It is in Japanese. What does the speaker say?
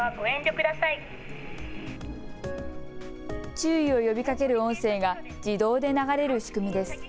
注意を呼びかける音声が自動で流れる仕組みです。